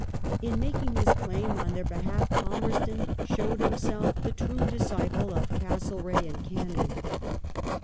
In making this claim on their behalf Palmerston showed himself the true disciple of Castlereagh and Canning.